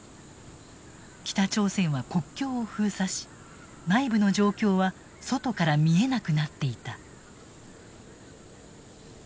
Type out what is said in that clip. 北朝鮮は国境を封鎖し内部の状況は外から見えなくなっていた。